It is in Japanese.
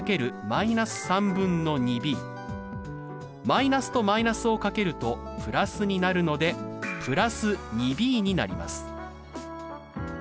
マイナスとマイナスを掛けるとプラスになるので＋２ｂになります。